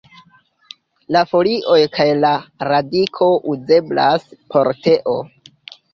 La folioj kaj la radiko uzeblas por teo.